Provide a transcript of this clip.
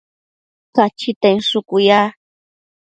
Cachita inshucu ya